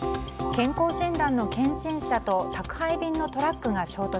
健康診断の検診車と宅配便のトラックが衝突。